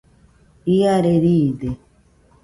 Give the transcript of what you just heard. Iare riide